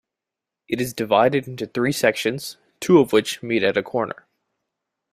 It is divided into three sections, two of which meet at a corner.